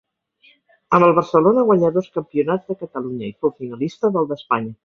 Amb el Barcelona guanyà dos campionats de Catalunya i fou finalista del d'Espanya.